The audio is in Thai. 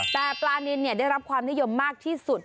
แต่ปลานินได้รับความนิยมมากที่สุด